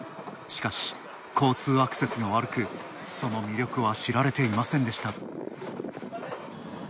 しかし、交通アクセスが悪く、その魅力は知られていませんでした。